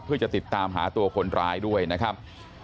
เพื่อจะติดตามหาตัวคนร้ายด้วยนะครับ